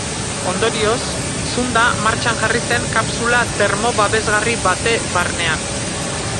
Ondorioz, zunda martxan jarri zen kapsula termo-babesgarri bate barnean.